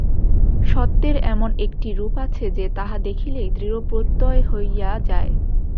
সত্যের এমন একটি রূপ আছে যে, তাহা দেখিলেই দৃঢ়প্রত্যয় হইয়া যায়।